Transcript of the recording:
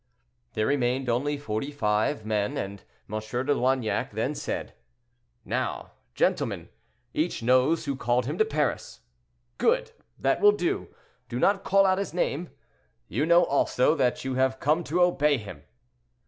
There remained only forty five men, and M. de Loignac then said, "Now, gentlemen, each knows who called him to Paris. Good! that will do; do not call out his name. You know also that you have come to obey him."